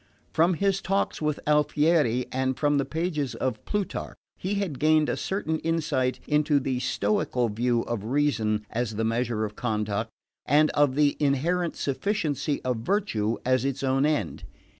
From his talks with Alfieri, and from the pages of Plutarch, he had gained a certain insight into the Stoical view of reason as the measure of conduct, and of the inherent sufficiency of virtue as its own end.